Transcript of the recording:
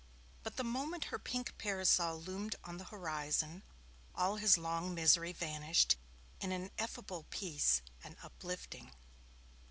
but the moment her pink parasol loomed on the horizon, all his long misery vanished in an ineffable peace and uplifting.